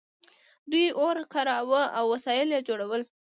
دوی اور کاراوه او وسایل یې جوړول.